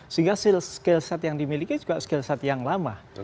sehingga skill set yang dimiliki juga skill set yang lama